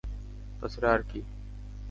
তাছাড়া আর কি?